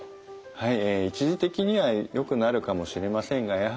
はい。